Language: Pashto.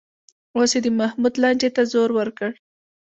اوس یې د محمود لانجې ته زور ورکړ